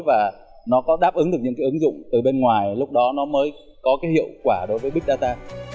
và nó có đáp ứng được những cái ứng dụng từ bên ngoài lúc đó nó mới có cái hiệu quả đối với big data